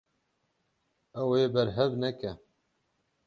Ew ê berhev neke.